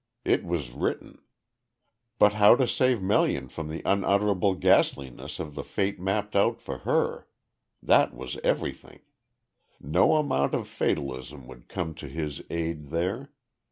"It was written." But how to save Melian from the unutterable ghastliness of the fate mapped out for her? That was everything. No amount of fatalism would come to his aid there.